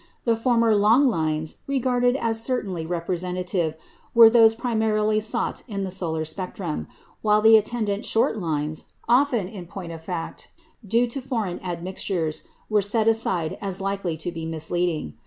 The former "long lines," regarded as certainly representative, were those primarily sought in the solar spectrum; while the attendant "short lines," often, in point of fact, due to foreign admixtures, were set aside as likely to be misleading.